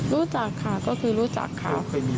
รู้จักค่ะก็คือรู้จักค่ะ